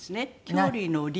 距離の「離」。